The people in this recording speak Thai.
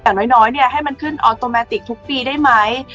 แต่น้อยเนี่ยให้มันขึ้นออตโมเตอร์แมติกทุกปีได้ไหม